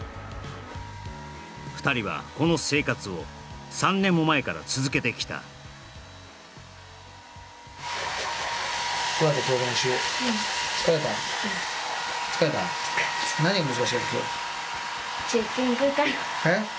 ２人はこの生活を３年も前から続けてきたえっ？